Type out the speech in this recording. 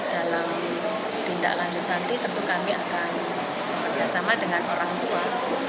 dalam tindak lanjut nanti tentu kami akan bekerjasama dengan orang tua